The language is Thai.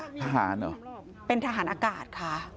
ทหารเหรอเป็นทหารอากาศค่ะ